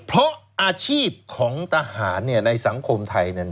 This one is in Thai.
เพราะอาชีพของทหารในสังคมไทย